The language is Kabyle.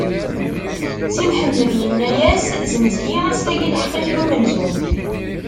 Si Mḥemmed inna-as: Zzenz-iyi ass-agi lḥeqq-ik n umenzu.